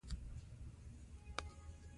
زه غواړم د بدن انرژي ترلاسه کړم.